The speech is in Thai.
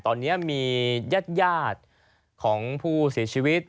ตอนนี้มีญาติของผู้เสียชีวิต